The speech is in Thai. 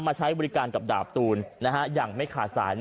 ใช้บริการกับดาบตูนอย่างไม่ขาดสาย